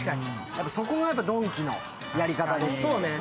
そこがドンキのやり方だね。